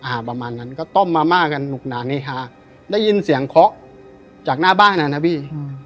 ประมาณนั้นก็ต้มมาม่ากันหุกหนานเฮฮาได้ยินเสียงเคาะจากหน้าบ้านอ่ะนะพี่อืม